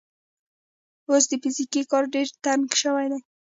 اوس د فزیکي کار ډګر تنګ شوی دی.